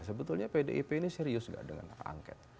sebetulnya pdip ini serius gak dengan hak angket